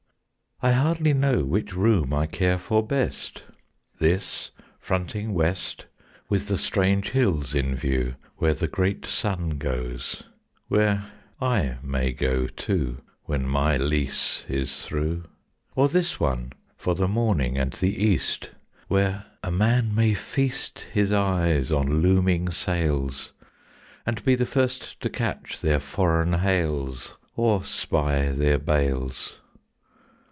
I hardly know which room I care for best; This fronting west, With the strange hills in view, Where the great sun goes, where I may go too, When my lease is through, Or this one for the morning and the east, Where a man may feast His eyes on looming sails, And be the first to catch their foreign hails Or spy their bales.